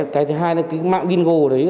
cái thứ hai là cái mạng bingo đấy